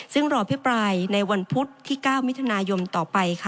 ซึ่งรอพิปรายในวันพุธที่๙มิถุนายนต่อไปค่ะ